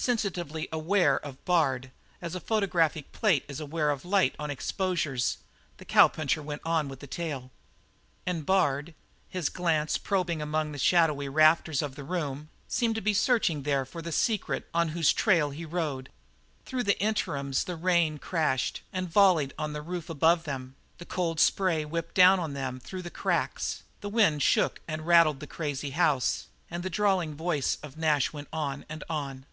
Sensitively aware of Bard, as a photographic plate is aware of light on exposures, the cowpuncher went on with the tale. And Bard, his glance probing among the shadowy rafters of the room, seemed to be searching there for the secret on whose trail he rode. Through the interims the rain crashed and volleyed on the roof above them; the cold spray whipped down on them through the cracks; the wind shook and rattled the crazy house; and the drawling voice of Nash went on and on.